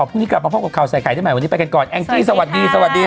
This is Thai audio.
โปรดติดตามตอนต่อไป